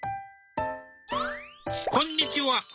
こんにちは。